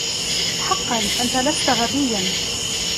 حقا، أنت لست غبيا.